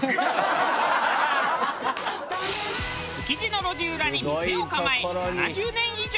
築地の路地裏に店を構え７０年以上。